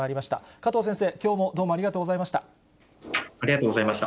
加藤先生、きょうもどうもありがとうございました。